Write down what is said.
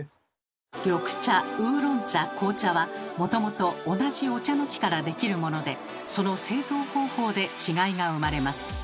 緑茶・ウーロン茶・紅茶はもともと同じお茶の木からできるものでその製造方法で違いが生まれます。